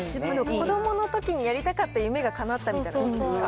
子どものときにやりたかった夢がかなったみたいなことですか